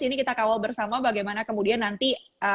ini kita kawal bersama bagaimana kemudian nanti